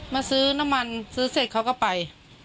มาซื้อน้ำมันซื้อเสร็จเขาก็ไป